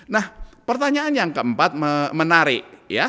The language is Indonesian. nah pertanyaan yang keempat menarik